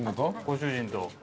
ご主人と。